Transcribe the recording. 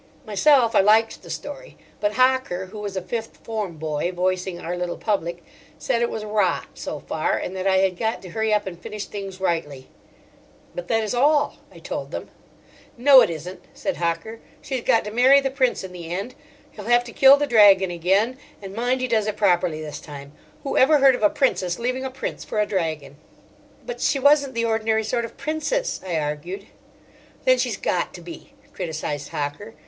Myself, I liked the story, but Hocker, who was a Fifth Form boy, voicing our little public, said it was rot, so far, and that I had got to hurry up and finish things rightly. "But that is all," I told them. "No, it isn't," said Hocker. "She's got to marry the Prince in the end. He'll have to kill the Dragon again; and mind he does it properly this time. Whoever heard of a Princess leaving a Prince for a Dragon!" "But she wasn't the ordinary sort of Princess," I argued. "Then she's got to be," criticised Hocker.